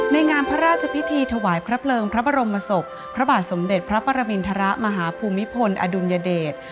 งามพระราชพิธีถวายพระเพลิงพระบรมศพพระบาทสมเด็จพระปรมินทรมาฮภูมิพลอดุลยเดช